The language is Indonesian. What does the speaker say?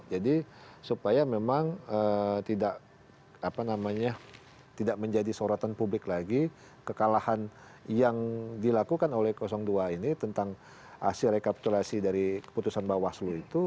supaya memang tidak menjadi sorotan publik lagi kekalahan yang dilakukan oleh dua ini tentang hasil rekapitulasi dari keputusan bawaslu itu